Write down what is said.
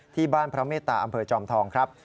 พระเมตตาอำเภอจอมทองครับ